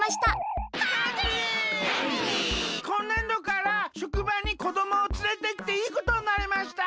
こんねんどからしょくばにこどもをつれてきていいことになりました。